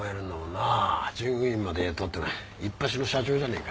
従業員まで雇っていっぱしの社長じゃねえか。